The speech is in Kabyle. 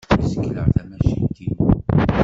Zegleɣ tamacint-inu.